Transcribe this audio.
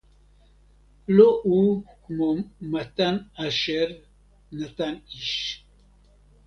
לֹא הוּא כְמוֹ מַתָּן אֲשֶׁר נָתַן אִישׁ